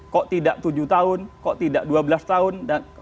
kok tidak tujuh tahun kok tidak dua belas tahun